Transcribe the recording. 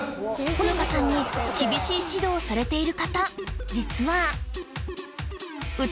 ほのかさんに厳しい指導をされている